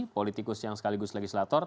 politikus yang sekaligus legislator